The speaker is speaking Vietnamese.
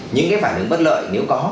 những cái phản ứng bất lợi nếu có